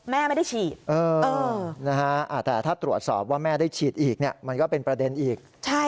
แม่ไม่ได้ฉีดแต่ถ้าตรวจสอบว่าแม่ได้ฉีดอีกมันก็เป็นประเด็นอีก